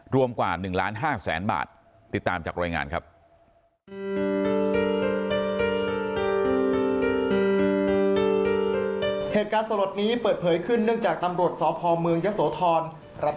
รวมกว่า๑๕๐๐๐๐๐บาทติดตามจากรอยงานครับ